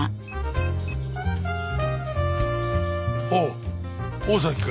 おう大崎か？